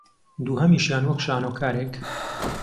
دووهەمیشیان وەک شانۆکارێک